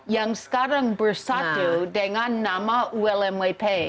yang sekarang bersatu dengan nama ulmwp